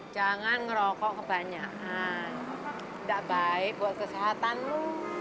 jangan ngerokok kebanyakan nggak baik buat kesehatan lu